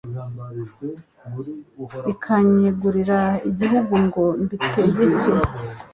ikanyegurira ibihugu ngo mbitegeke